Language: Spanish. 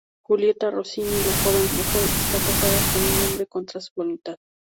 Julieta Rossini, la joven mujer, está casada con un hombre contra su voluntad.